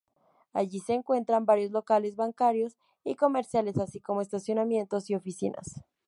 Allí se encuentran varios locales bancarios y comerciales, así como estacionamientos y oficinas.